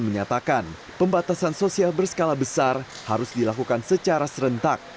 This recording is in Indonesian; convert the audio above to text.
menyatakan pembatasan sosial berskala besar harus dilakukan secara serentak